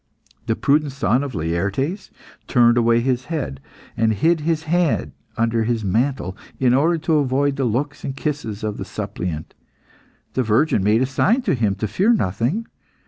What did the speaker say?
The prudent son of Laertes turned away his head, and hid his hand under his mantle, in order to avoid the looks and kisses of the suppliant. The virgin made a sign to him to fear nothing.